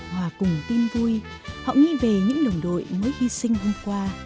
hòa cùng tin vui họ nghĩ về những đồng đội mới hy sinh hôm qua